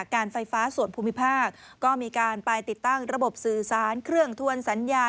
การไฟฟ้าส่วนภูมิภาคก็มีการไปติดตั้งระบบสื่อสารเครื่องทวนสัญญา